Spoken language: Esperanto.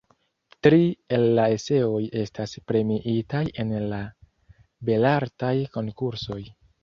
Tri el la eseoj estas premiitaj en la Belartaj Konkursoj.